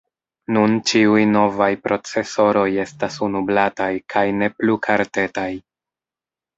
Nun ĉiuj novaj procesoroj estas unu-blataj kaj ne plu kartetaj.